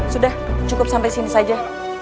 sudah cukup sampai sini saja